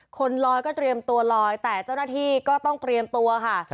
คนลอยก็เตรียมตัวลอยแต่เจ้าหน้าที่ก็ต้องเตรียมตัวค่ะ